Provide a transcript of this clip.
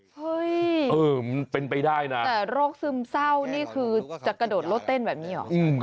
เฮ้ยแต่โรคซึมเศร้านี่คือจะกระโดดรถเต้นแบบนี้หรอ